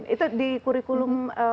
itu di kurikulumnya